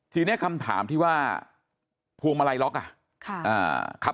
ทีนี้คำถามที่ว่าพวงมาลัยล็อกอ่ะ